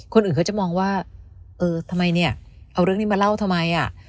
คนอื่นเขาจะมองว่าเออทำไมเนี่ยเอาเรื่องนี้มาเล่าทำไมอ่ะ